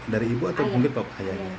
dari ibu atau mungkin bapak ayahnya